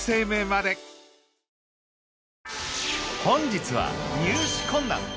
本日は入手困難！